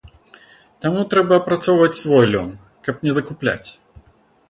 Таму трэба апрацоўваць свой лён, каб не закупляць.